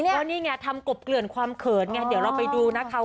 แล้วนี่ไงทำกบเกลื่อนความเขินไงเดี๋ยวเราไปดูนะคะ